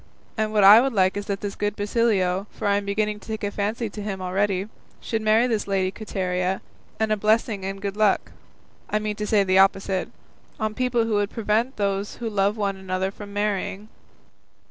What I would like is that this good Basilio (for I am beginning to take a fancy to him already) should marry this lady Quiteria; and a blessing and good luck I meant to say the opposite on people who would prevent those who love one another from marrying."